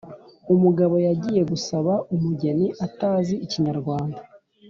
umugabo yagiye gusaba umugeni atazi ikinyarwanda,